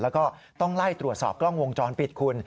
แล้วก็ต้องไล่ตรวจสอบกล้องวงจรปิดคุณ